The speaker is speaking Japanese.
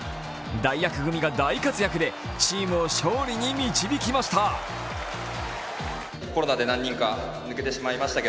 代役組が大活躍で、チームを勝利に導きました。